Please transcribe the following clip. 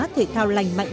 thể thao lành mạnh